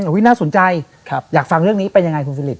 น่าสนใจอยากฟังเรื่องนี้เป็นยังไงคุณสิริ